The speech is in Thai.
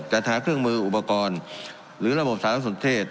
จัดหาเครื่องมืออุปกรณ์หรือระบบสารสนเทศ